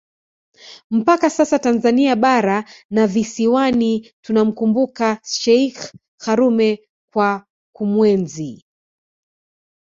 mpaka sasa Tanzania bara na visiwani tunamkumbuka Sheikh Karume kwa kumuenzi